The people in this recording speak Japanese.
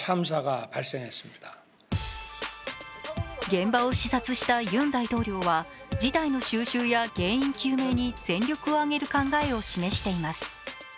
現場を視察したユン大統領は事態の収拾や原因究明に全力を挙げる考えを示しています。